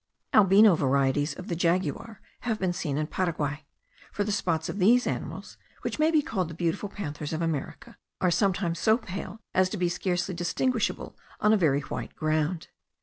Albino varieties of the jaguar have been seen in Paraguay: for the spots of these animals, which may be called the beautiful panthers of America, are sometimes so pale as to be scarcely distinguishable on a very white ground.